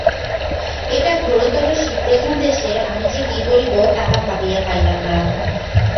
এই ঘোরতর শীতপ্রধান দেশে আমি যে কি করিব, তাহা ভাবিয়া পাইলাম না।